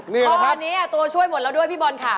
นี่เหรอครับอันนี้ตัวช่วยหมดแล้วด้วยพี่บอลค่ะ